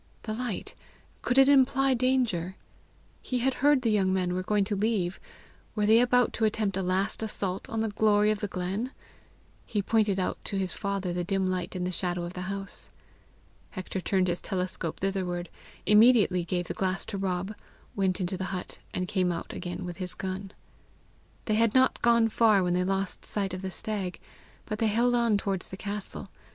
The light! could it imply danger? He had heard the young men were going to leave: were they about to attempt a last assault on the glory of the glen? He pointed out to his father the dim light in the shadow of the house. Hector turned his telescope thitherward, immediately gave the glass to Rob, went into the hut, and came out again with his gun. They had not gone far when they lost sight of the stag, but they held on towards the castle.